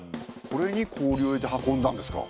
これに氷を入れて運んだんですか？